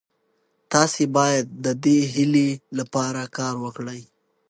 تاسي باید د دې هیلې لپاره کار وکړئ.